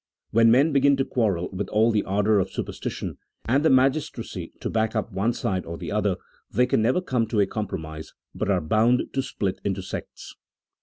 When men begin to quarrel with all the ardour of super stition, and the magistracy to back up one side or the other, they can never come to a comj>romise, but are bound to split into sects.